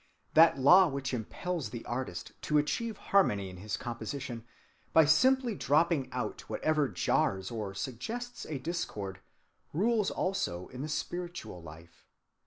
That law which impels the artist to achieve harmony in his composition by simply dropping out whatever jars, or suggests a discord, rules also in the spiritual life.